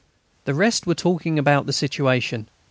The rest were talking about the situation.